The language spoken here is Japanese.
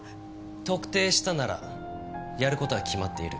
特定したならやる事は決まっている。